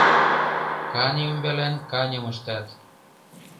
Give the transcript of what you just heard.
Кане ӱмбалан каньым ыштат.